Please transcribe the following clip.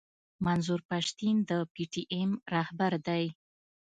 منظور پښتين د پي ټي ايم راهبر دی.